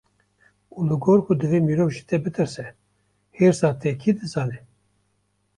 Û li gor ku divê mirov ji te bitirse, hêrsa te kî dizane?